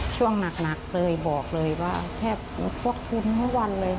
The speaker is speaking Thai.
ช่วงหนักเลยบอกเลยว่าแทบควบคุมทั้งวันเลย